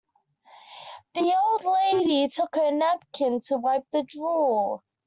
The old lady took her napkin to wipe the drool.